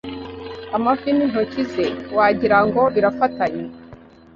amavi n’intoki ze wagirango birafatanye